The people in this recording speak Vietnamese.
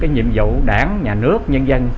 nhiệm vụ đảng nhà nước nhân dân